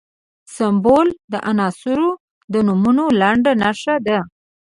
سمبول د عنصرونو د نومونو لنډه نښه ده.